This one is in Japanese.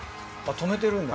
止めてるんだ。